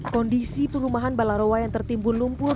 kondisi perumahan balarowa yang tertimbul lumpur